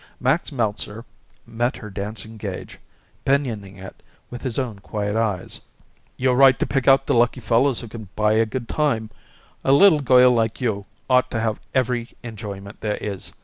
Max Meltzer met her dancing gaze, pinioning it with his own quiet eyes. "You're right to pick out the lucky fellows who can buy a good time. A little girl like you ought to have every enjoyment there is.